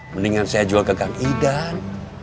mendingan saya juga ke kang idan